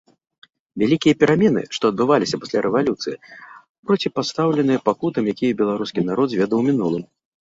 Вялікія перамены, што адбываліся пасля рэвалюцыі, проціпастаўлены пакутам, якія беларускі народ зведаў у мінулым.